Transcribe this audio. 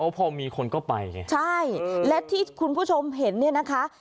พอมีคนก็ไปไงใช่และที่คุณผู้ชมเห็นเนี่ยนะคะ